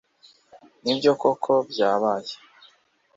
nibyo koko byabaye